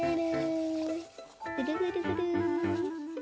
ぐるぐるぐる。